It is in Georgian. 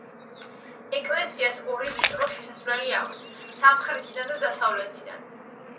ეკლესიას ორი, ვიწრო შესასვლელი აქვს: სამხრეთიდან და დასავლეთიდან.